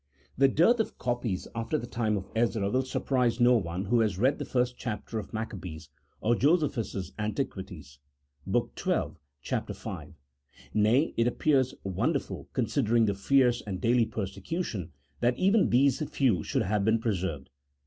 145 The dearth of copies after the time of Ezra will surprise no one who has read the 1st chapter of Maccabees, or Josephus's " Antiquities," Bk. 12, chap. 5. Nay, it appears wonderful considering the fierce and daily persecution, that even these few should have been preserved.